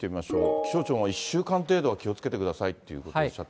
気象庁が１週間程度は気をつけてくださいということをおっしゃっ